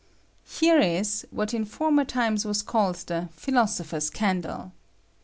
Here ia what in former times was called the " philoao pbei's candle."